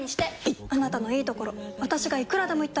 いっあなたのいいところ私がいくらでも言ってあげる！